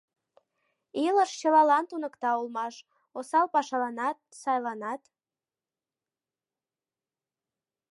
Илыш чылалан туныкта улмаш: осал пашаланат, сайланат.